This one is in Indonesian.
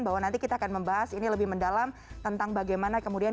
bahwa nanti kita akan membahas ini lebih mendalam tentang bagaimana kemudian